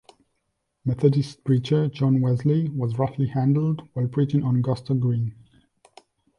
Methodist preacher John Wesley was roughly handled while preaching on Gosta Green.